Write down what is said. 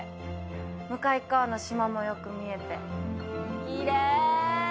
向かいっ側の島もよく見えて、きれい！